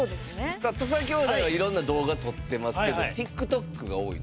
さあ土佐兄弟はいろんな動画撮ってますけどＴｉｋＴｏｋが多いの？